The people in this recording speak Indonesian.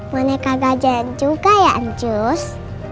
monika gajah juga ya anjus